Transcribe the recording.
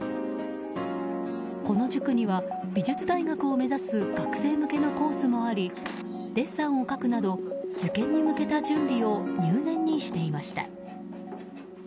この塾には美術大学を目指す学生向けのコースもありデッサンを描くなど受験に向けた準備を入念にしていました。